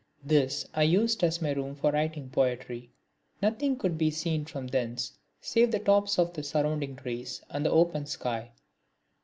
This I used as my room for writing poetry. Nothing could be seen from thence save the tops of the surrounding trees, and the open sky.